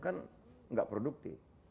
kan enggak produktif